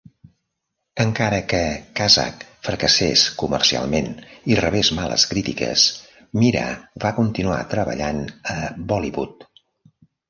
Encara que "Kasak" fracassés comercialment i rebés males crítiques, Meera va continuar treballant a Bollywood.